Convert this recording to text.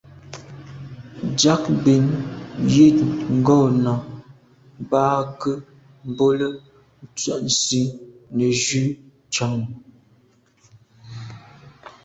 Ndiagbin ywîd ngɔ̂nɑ̀ bɑhɑ kà, mbolə, ntswənsi nə̀ jú chànŋ.